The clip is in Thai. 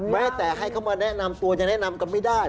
แม้แต่ให้เขามาแนะนำตัวจะแนะนำกันไม่ได้